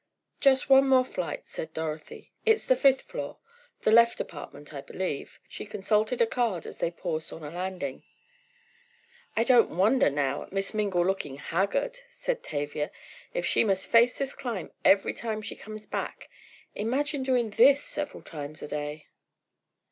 "Just one more flight," said Dorothy, "it's the fifth floor, the left apartment, I believe," she consulted a card as they paused on a landing. "I don't wonder now at Miss Mingle looking haggard," said Tavia, "if she must face this climb every time she comes back. Imagine doing this several times a day!"